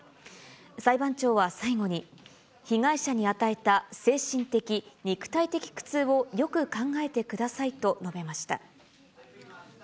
裁判長は最後に、被害者に与えた精神的、肉体的苦痛をよく考えてくださいと述べました。